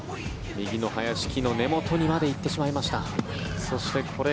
右の林、木の根元にまで行ってしまいました。